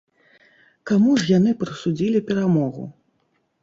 Каму ж яны прысудзілі перамогу?